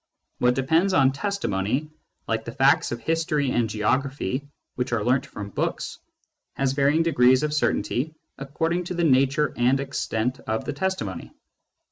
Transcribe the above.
What depends on testimony, like the facts of history and geography which are learnt from books, has varying degrees of certainty according to the nature and extent of the testimony.